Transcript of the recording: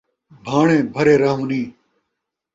بھاݨے بھرے رہونِیں